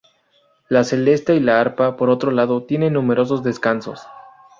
La celesta y el arpa, por otro lado, tienen numerosos descansos.